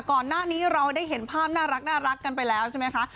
ก่อนหน้านี้เราได้เห็นภาพน่ารักกันไปแล้วใช่ไหมคะ